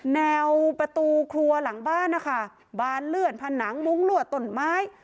แนวประตูครัวหลังบ้านนะคะบานเลื่อนผนังมุ้งรั่วต้นไม้